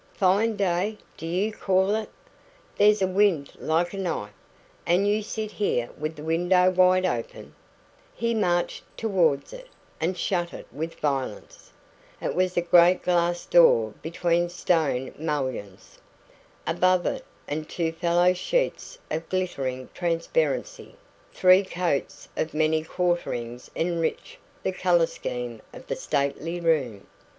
"Fine day, do you call it? There's a wind like a knife. And you sit here with the window wide open " He marched towards it, and shut it with violence. It was a great glass door between stone mullions. Above it and two fellow sheets of glittering transparency, three coats of many quarterings enriched the colour scheme of the stately room.